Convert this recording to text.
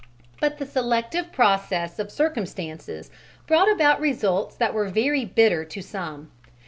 But the selective process of circumstances brought about results that were very bitter to some.